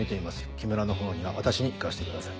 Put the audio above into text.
木村のほうには私に行かせてください。